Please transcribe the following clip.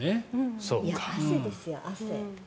いや、汗ですよ汗。